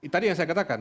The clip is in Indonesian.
tadi yang saya katakan